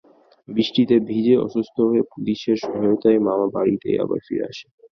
বৃষ্টিতে ভিজে অসুস্থ হয়ে পুলিশের সহায়তায় মামার বাড়িতেই আবার ফিরে আসে।